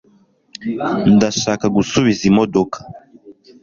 ndashaka gusubiza imodoka